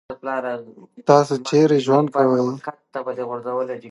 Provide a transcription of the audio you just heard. ده د عقل او اخلاقو توازن ساته.